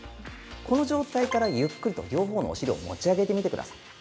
この状態から、ゆっくりと両方のお尻を持ち上げてみてください。